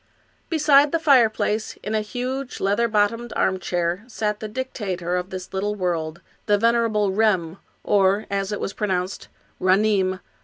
Beside the fireplace, in a huge, leather bottomed arm chair, sat the dictator of this little world, the venerable Rem, or, as it was pronounced, " Ranim " Rapelye.